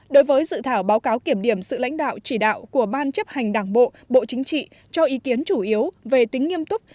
đối với dự thảo báo cáo kiểm điểm sự lãnh đạo chỉ đạo của ban chấp hành đảng bộ bộ chính trị cho ý kiến chủ yếu về tính nghiêm túc